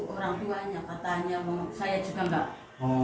orang tuanya katanya saya juga nggak tahu